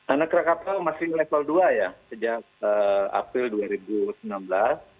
anak krakatau masih level dua ya sejak april dua ribu sembilan belas